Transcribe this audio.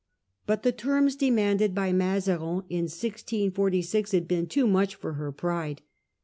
. But the terms demanded by Mazarin in 1646 had been too much for her pride.